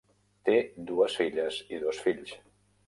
Té dues filles i dos fills.